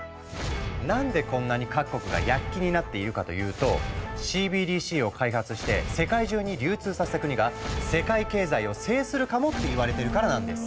何でこんなに各国が躍起になっているかというとＣＢＤＣを開発して世界中に流通させた国が世界経済を制するかもっていわれてるからなんです。